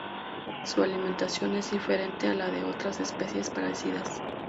Su alimentación es diferente a la de otras especies parecidas.